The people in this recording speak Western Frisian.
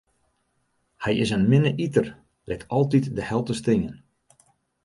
Hy is in minne iter, lit altyd de helte stean.